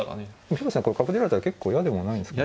広瀬さんこれ角出られたら結構嫌ではないんですかね。